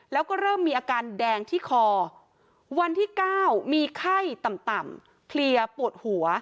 แล้วก็เริ่มมีอาการแดงที่คอวันที่๙มีไข้ต่ำเพลียปวดหัว